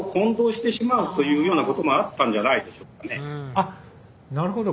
あっなるほど。